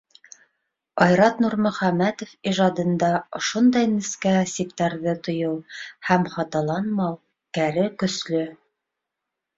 Айрат Нурмөхәмәтов ижадында ошондай нескә сиктәрҙе тойоу һәм хаталанмау кәре көслө.